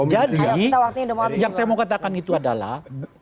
jadi yang saya mau katakan itu adalah